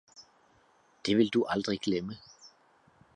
Det vil du aldrig glemme!